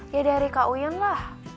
ya dari kak uin lah